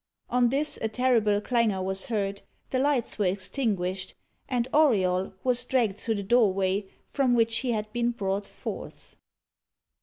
On this, a terrible clangour was heard; the lights were extinguished; and Auriol was dragged through the doorway from which he had been brought forth.